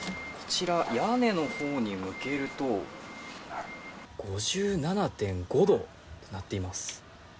屋根のほうに向けると５７．５度となっています。